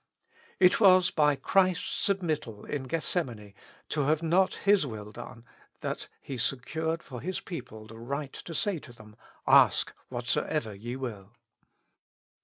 It was by Christ's submittal in Gethsemane to have not His will done, that He secured for His people the right to say to them, ''Ask whatsoever ye will."